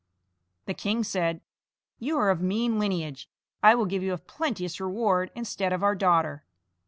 The king said: "You are of mean lineage; I will give you a plenteous reward instead of our daughter."